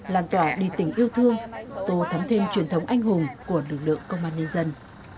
lan tỏa đi tỉnh yêu thương tù thấm thêm truyền thống anh hùng của lực lượng công an nhân dân